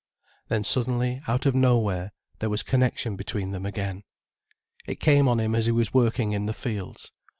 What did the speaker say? Then suddenly, out of nowhere, there was connection between them again. It came on him as he was working in the fields.